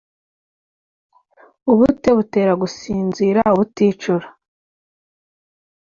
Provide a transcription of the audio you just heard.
ubute butera gusinzira ubuticura,